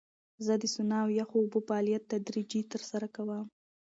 زه د سونا او یخو اوبو فعالیت تدریجي ترسره کوم.